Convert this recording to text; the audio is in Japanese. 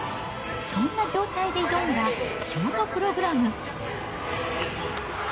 そんな状態で挑んだショートプログラム。